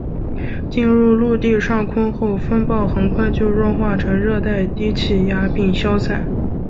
进入陆地上空后风暴很快就弱化成热带低气压并消散。